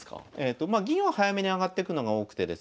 まあ銀を早めに上がってくのが多くてですね